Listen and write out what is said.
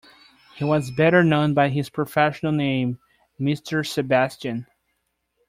He was better known by his professional name Mr. Sebastian.